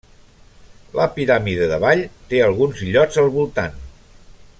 La Piràmide de Ball té alguns illots al voltant.